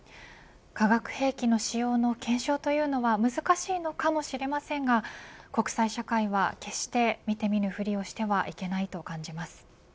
化学兵器の使用の検証は難しいかもしれませんが国際社会は決して見てみぬふりをしてはいけないと感じます。